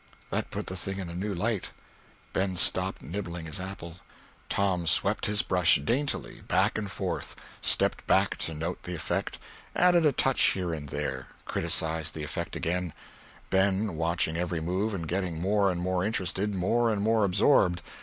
That put the thing in a new light. Ben stopped nibbling his apple. Tom swept his brush daintily back and forth—stepped back to note the effect—added a touch here and there—criticised the effect again—Ben watching every move and getting more and more interested, more and more absorbed.